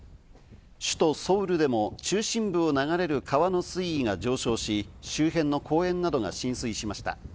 首都ソウルでも中心部を流れる川の水位が上昇し、周辺の公園などが浸水しました。